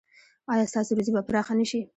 ایا ستاسو روزي به پراخه نه شي؟